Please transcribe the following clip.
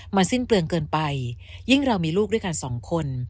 มันสิ้นเปลืองเกินไปยิ่งเรามีลูกด้วยกันสองคน